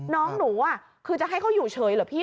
น้องหนูคือจะให้เขาอยู่เฉยเหรอพี่